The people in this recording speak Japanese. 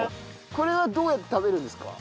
これはどうやって食べるんですか？